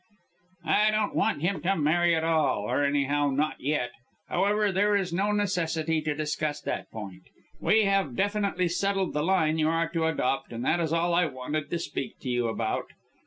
"I don't want him to marry at all, or anyhow, not yet. However, there is no necessity to discuss that point. We have definitely settled the line you are to adopt, and that is all I wanted to speak to you about.